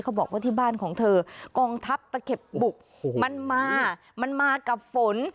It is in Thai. บอกว่าที่บ้านของเธอกองทัพตะเข็บบุกมันมามันมากับฝน